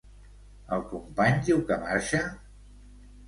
El company diu que marxa?